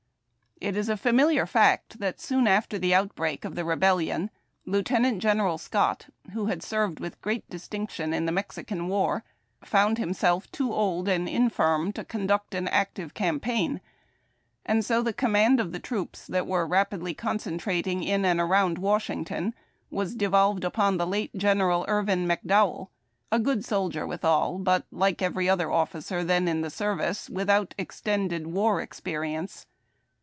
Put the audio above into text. It is a familiar fact that soon after the outbreak of the Rebellion Lieutenant General Scott, who liad served with great distinction in the Mexican War, found himself too old and infirm to conduct an active campaign, and so the command of the troops, that were rapidly concentrating in and around Washington, was devolved upon the late General Irvin McDowell, a good soldier withal, but, like every other officer then in the service, without extended war experience.